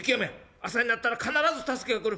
朝になったら必ず助けが来る。